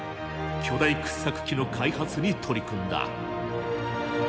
巨大掘削機の開発に取り組んだ。